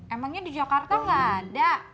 emangnya di jakarta nggak ada